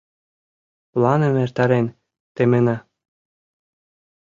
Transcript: Планым эртарен темена!